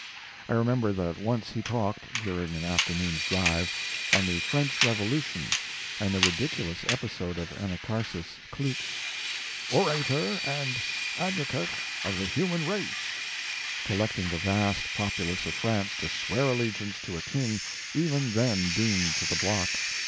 I remember that once he talked, during an afternoon's drive, on the French Revolution and the ridiculous episode of Anacharsis Cloots, "orator and advocate of the human race," collecting the vast populace of France to swear allegiance to a king even then doomed to the block.